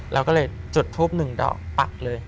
เราก็เลยจดภูมิหนึ่งเดาะปักเลย